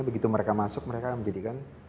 begitu mereka masuk mereka menjadikan